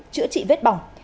chữa trị vết bỏng